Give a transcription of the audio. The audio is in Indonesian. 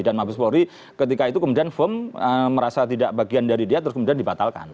dan mabeswori ketika itu kemudian firm merasa tidak bagian dari dia terus kemudian dipatalkan